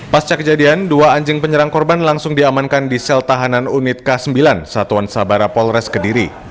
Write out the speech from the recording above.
pasca kejadian dua anjing penyerang korban langsung diamankan di sel tahanan unit k sembilan satuan sabara polres kediri